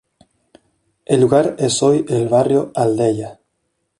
El lugar es hoy el barrio Aldeia.